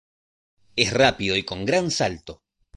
Es rápido y con gran salto.